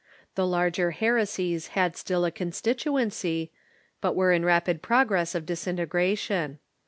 The larger heresies had still a con stituency, but were in rapid process of disintegration.